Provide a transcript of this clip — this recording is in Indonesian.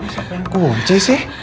siapa yang kunci sih